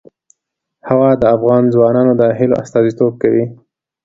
هوا د افغان ځوانانو د هیلو استازیتوب کوي.